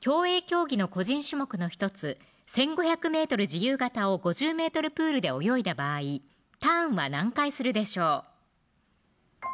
競泳競技の個人種目の１つ１５００ｍ自由形を５０ｍプールで泳いだ場合ターンは何回するでしょう